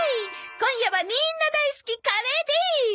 今夜はみんな大好きカレーです！